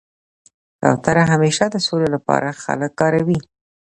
کوتره همېشه د سولي له پاره خلک کاروي.